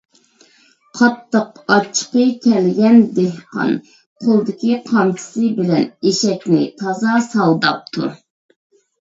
قاتتىق ئاچچىقى كەلگەن دېھقان قولىدىكى قامچىسى بىلەن ئېشەكنى تازا ساۋىداپتۇ.